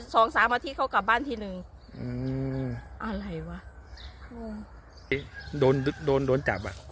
สองสามอาทิตย์เขากลับบ้านทีหนึ่งอืมอะไรวะคือไอ้โดนโดนโดนโดนจับอ่ะ